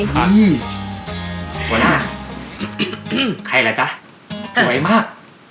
นี่หัวหน้าใครล่ะจ๊ะสวยมาก